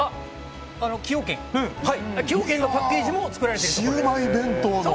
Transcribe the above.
崎陽軒のパッケージも作られています。